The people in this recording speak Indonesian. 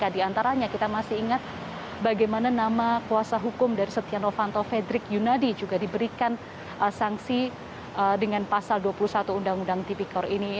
di antaranya kita masih ingat bagaimana nama kuasa hukum dari setia novanto fedrik yunadi juga diberikan sanksi dengan pasal dua puluh satu undang undang tipikor ini